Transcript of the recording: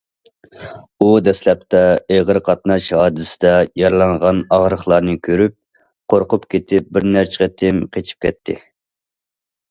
ئۇ دەسلەپتە ئېغىر قاتناش ھادىسىسىدە يارىلانغان ئاغرىقلارنى كۆرۈپ، قورقۇپ كېتىپ بىرنەچچە قېتىم قېچىپ كەتتى.